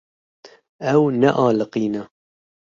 Ew nealiqîne.